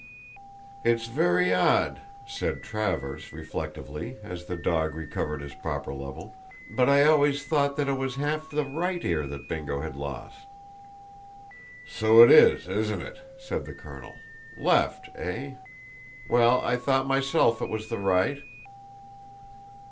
"It's very odd," said Travers, reflectively, as the dog recovered his proper level, "but I always thought that it was half the right ear that Bingo had lost." "So it is, isn't it?" said the colonel. "Left, eh? Well, I thought myself it was the right."